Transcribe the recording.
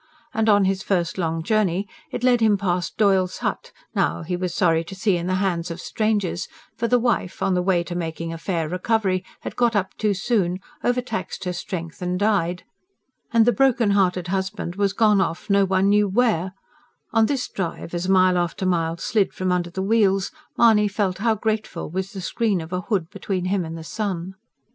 And on his first long journey it led him past Doyle's hut, now, he was sorry to see, in the hands of strangers; for the wife, on the way to making a fair recovery, had got up too soon, overtaxed her strength and died, and the broken hearted husband was gone off no one knew where on this drive, as mile after mile slid from under the wheels, Mahony felt how grateful was the screen of a hood between him and the sun.